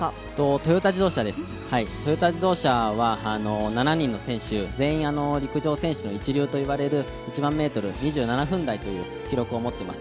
トヨタ自動車です、トヨタ自動車は７人の選手、全員陸上選手の一流といわれる１００００ｍ２７分台という記録を持ってます